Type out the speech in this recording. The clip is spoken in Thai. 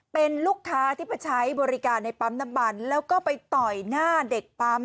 เป็นลูกค้าที่ไปใช้บริการในปั๊มน้ำมันแล้วก็ไปต่อยหน้าเด็กปั๊ม